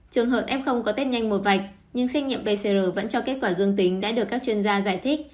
trường hợp f có test nhanh một vạch nhưng xét nghiệm pcr vẫn cho kết quả dương tính đã được các chuyên gia giải thích